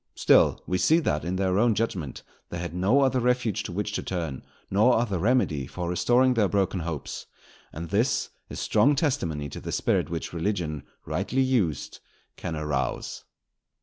Still we see that, in their own judgment, they had no other refuge to which to turn, nor other remedy for restoring their broken hopes; and this is strong testimony to the spirit which religion rightly used can arouse.